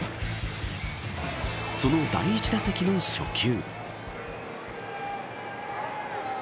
その第１打席の初球。